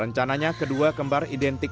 rencananya kedua kembar identitas